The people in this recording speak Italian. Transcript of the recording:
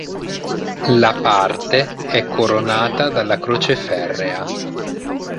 La parte è coronata dalla croce ferrea.